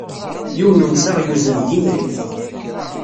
Yiwen n umsaɣ yuzen-d imayl.